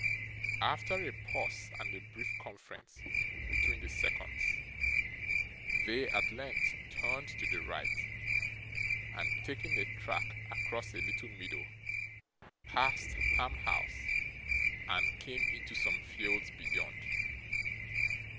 After a pause, and a brief conference between the seconds, they, at length, turned to the right, and taking a track across a little meadow, passed Ham House and came into some fields beyond.